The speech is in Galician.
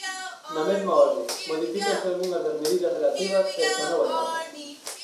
Na mesma orde, modifícanse algunhas das medidas relativas a esta nova etapa.